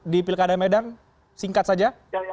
di pilkada medan singkat saja